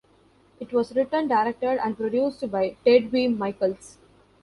It was written, directed and produced by Ted V. Mikels.